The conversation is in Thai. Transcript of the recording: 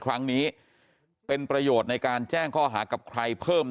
ครั้งนี้เป็นประโยชน์ในการแจ้งข้อหากับใครเพิ่ม